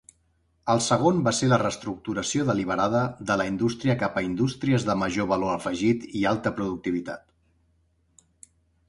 El segon va ser la reestructuració deliberada de la indústria cap a indústries de major valor afegit i alta productivitat.